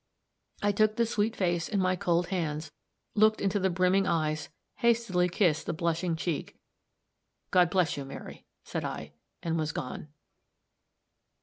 I took the sweet face in my cold hands, looked into the brimming eyes, hastily kissed the blushing cheek "God bless you, Mary," said I, and was gone.